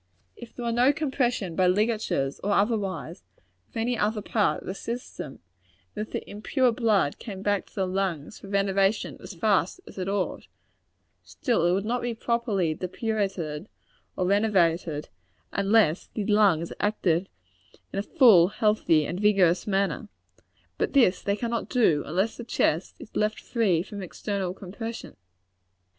If there were no compression by ligatures or otherwise, of any other part of the system, and if the impure blood came back to the lungs for renovation as fast as it ought, still it would not be properly depurated or renovated, unless the lungs acted in a full, healthy and rigorous manner. But this they cannot do, unless the chest is left free from external compression.